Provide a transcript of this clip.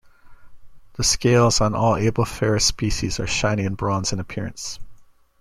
The scales on all "Ablepharus" species are shiny and bronze in appearance.